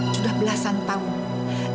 sudah belasan tahun